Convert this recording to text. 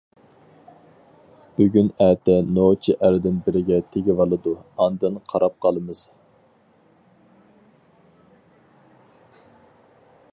بۈگۈن-ئەتە نوچى ئەردىن بىرگە تېگىۋالىدۇ-ئاندىن قاراپ قالىمىز.